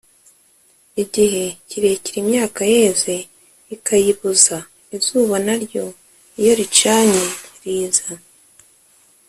igihe kirekire imyaka yeze ikayiboza. izuba na ryo iyo ricanye riza